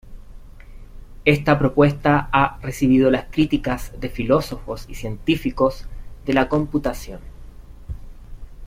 Esta propuesta ha recibido las críticas de filósofos y científicos de la computación.